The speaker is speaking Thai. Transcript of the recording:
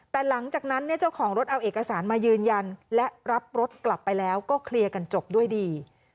แต่หลังจากนั้นเนี่ยเจ้าของรถเอาเอกสารมายืนยันและรับรถกลับไปแล้วก็เคลียร์กันจบด้วยดี